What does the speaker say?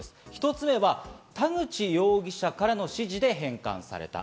１つ目は田口容疑者からの指示で返還された。